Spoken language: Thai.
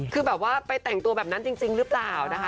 คือแบบว่าไปแต่งตัวแบบนั้นจริงหรือเปล่านะคะ